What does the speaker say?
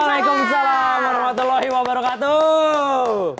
waalaikumsalam warahmatullahi wabarakatuh